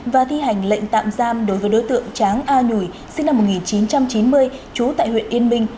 và thi hành lệnh tạm giam đối với đối tượng tráng a nhủi sinh năm một nghìn chín trăm chín mươi trú tại huyện yên minh